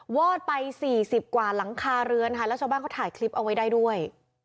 วอดไปสี่สิบกว่าหลังคาเรือนค่ะแล้วชาวบ้านเขาถ่ายคลิปเอาไว้ได้ด้วย